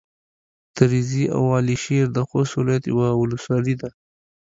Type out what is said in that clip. تريزي او على شېر د خوست ولايت يوه ولسوالي ده.